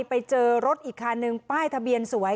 ไปเจอรถอีกคันหนึ่งป้ายทะเบียนสวย